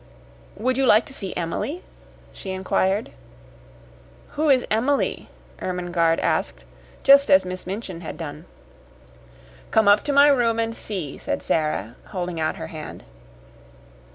"Would you like to see Emily?" she inquired. "Who is Emily?" Ermengarde asked, just as Miss Minchin had done. "Come up to my room and see," said Sara, holding out her hand.